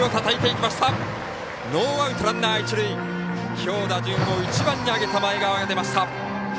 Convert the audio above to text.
きょう打順を１番に上げた前川が出ました。